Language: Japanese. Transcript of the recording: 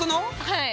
はい。